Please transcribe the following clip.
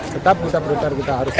tetap kita berhutar kita harus